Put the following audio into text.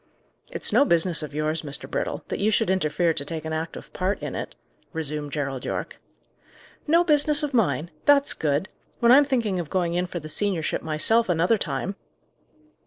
"It's no business of yours, Mr. Brittle, that you should interfere to take an active part in it," resumed Gerald Yorke. "No business of mine! That's good! When I'm thinking of going in for the seniorship myself another time!"